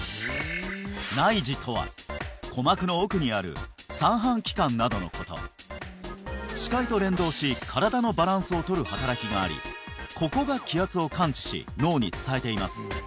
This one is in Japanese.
内耳とは鼓膜の奥にある三半規管などのこと視界と連動し身体のバランスを取る働きがありここが気圧を感知し脳に伝えています